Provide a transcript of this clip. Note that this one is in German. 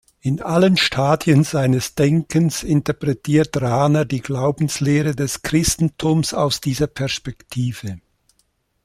In allen Stadien seines Denkens interpretiert Rahner die Glaubenslehre des Christentums aus dieser Perspektive.